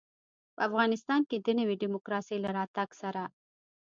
په افغانستان کې د نوي ډيموکراسۍ له راتګ سره.